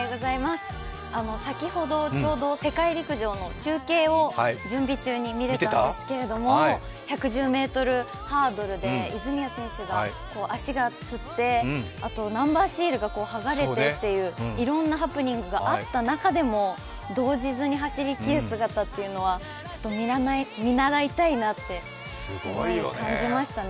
先ほどちょうど世界陸上の中継を準備中に見れたんですけとも、１１０ｍハードルで泉谷選手が足がつって、あとナンバーシールが剥がれてといういろんなハプニングがあった中でも動じずに走りきる姿というのは、見習いたいなと感じましたね。